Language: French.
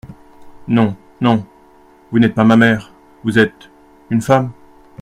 Non … non … vous n'êtes pas ma mère … Vous êtes … une femme.